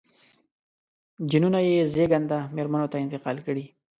جینونه یې زېږنده مېرمنو ته انتقال کړي.